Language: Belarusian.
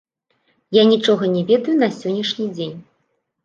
Я нічога не ведаю на сённяшні дзень.